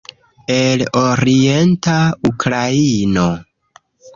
El orienta Ukraino